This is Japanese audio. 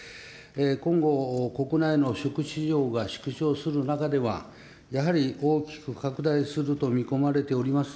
今後、国内の食市場が縮小する中では、やはり、大きく拡大すると見込まれております